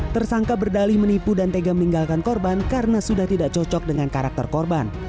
tersangka berdalih menipu dan tega meninggalkan korban karena sudah tidak cocok dengan karakter korban